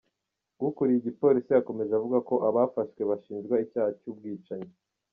Ukuriye igipolisi yakomeje avuga ko abafashwe bashinjwa icyaha cy’ubwicanyi.